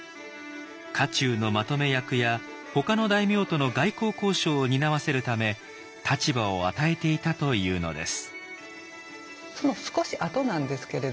家中のまとめ役やほかの大名との外交交渉を担わせるため立場を与えていたというのです。